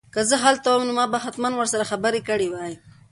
که زه هلته وم نو ما به حتماً ورسره خبرې کړې وای.